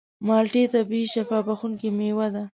مالټې طبیعي شفا بښونکې مېوه ده.